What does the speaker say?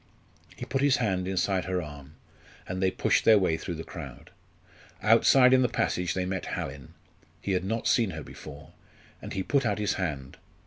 He put her hand inside his arm, and they pushed their way through the crowd. Outside in the passage they met Hallin. He had not seen her before, and he put out his hand.